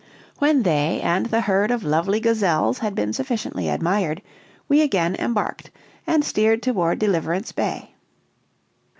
When they and the herd of lovely gazelles had been sufficiently admired, we again embarked, and steered toward Deliverance Bay.